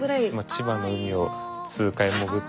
千葉の海を数回潜って。